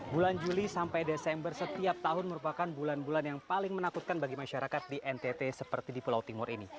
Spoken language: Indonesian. bulan juli sampai desember setiap tahun merupakan bulan bulan yang paling menakutkan bagi masyarakat di ntt seperti di pulau timur ini